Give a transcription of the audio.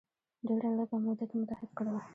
ډیره لږه موده کې متحد کړل.